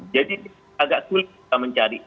jadi agak sulit kita mencari